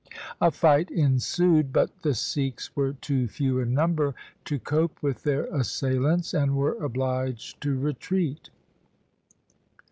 A fight ensued, but the Sikhs were too few in number to cope with their assailants and were obliged to retreat.